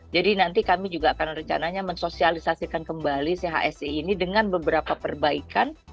jadi nanti kami juga akan rencananya mensosialisasikan kembali chse ini dengan beberapa perbaikan